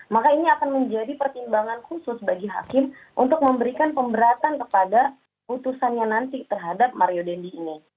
maka ini akan menjadi pertimbangan khusus bagi hakim untuk memberikan pemberatan kepada putusannya nanti terhadap mario dendi ini